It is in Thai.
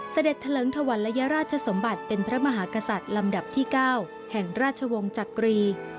เสด็จเถลิงถวันละยราชสมบัติเป็นพระมหากษัตริย์ลำดับที่๙แห่งราชวงศ์จักรี